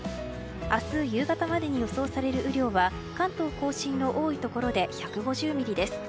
明日夕方までに予想される雨量は関東・甲信の多いところで１５０ミリです。